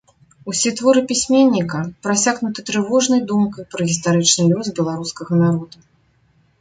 Усе творы пісьменніка прасякнуты трывожнай думкай пра гістарычны лёс беларускага народа.